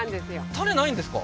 種ないんですか？